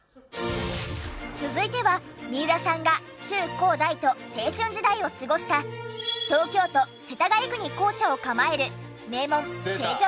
続いては三浦さんが中高大と青春時代を過ごした東京都世田谷区に校舎を構える名門成城学園。